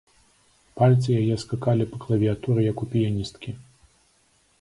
Пальцы яе скакалі па клавіятуры, як у піяністкі.